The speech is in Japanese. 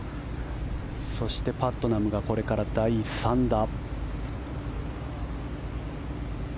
そしてパットナムがこれから第３打。